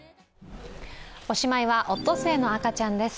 おしまいは、オットセイの赤ちゃんです。